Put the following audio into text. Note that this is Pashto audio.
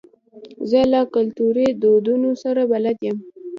زه له کلتوري دودونو سره بلد یم.